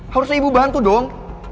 harusnya ibu bantu dong